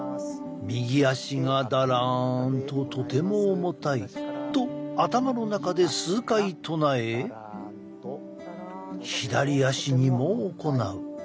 「右足がだらんととても重たい」と頭の中で数回唱え左足にも行う。